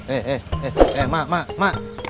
eh eh eh eh mak mak mak